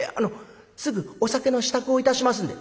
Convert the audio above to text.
すぐお酒の支度をいたしますんで」。